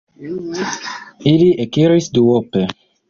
Ili ekiris duope.